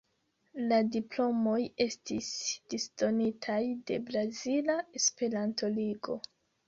La diplomoj estis disdonitaj de Brazila Esperanto-Ligo.